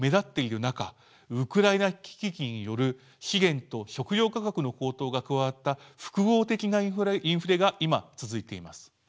ウクライナ危機による資源と食糧価格の高騰が加わった複合的なインフレが今続いています。